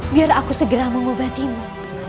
biar aku segera mengobatimu